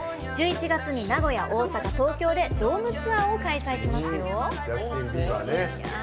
１１月に名古屋・大阪・東京でドームツアーを開催しますよ。